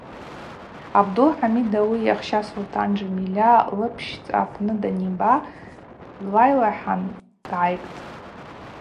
Абдул-Хӏамид ауи йахща Султӏан Джьамильа лыпшцӏа апны даниба длайлахӏан дгӏайгтӏ.